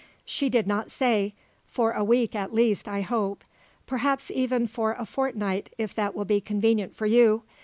"She did not say; for a week at least, I hope. Perhaps, even, for a fortnight if that will be convenient for you.